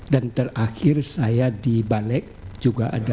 dan terakhir saya di balik juga ada